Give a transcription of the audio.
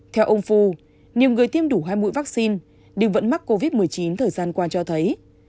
theo ông phu nhiều người tiêm đủ hai mũi vaccine nhưng vẫn mắc covid một mươi chín thời gian qua cho thấy